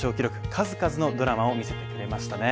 数々のドラマを見せてくれましたね。